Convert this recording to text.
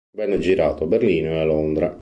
Venne girato a Berlino e a Londra.